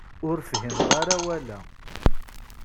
Ur fhimeɣ ara awal-a.